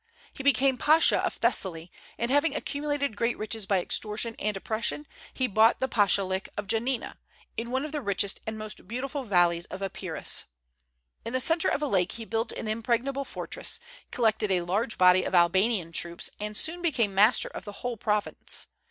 He became pasha of Thessaly; and having accumulated great riches by extortion and oppression, he bought the pashalic of Jannina, in one of the richest and most beautiful valleys of Epirus. In the centre of a lake he built an impregnable fortress, collected a large body of Albanian troops, and soon became master of the whole province.